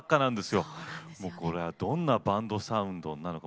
これはどんなバンドサウンドになるか。